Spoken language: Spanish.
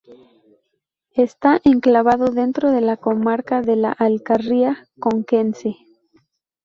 Está enclavado dentro de la comarca de la Alcarria conquense.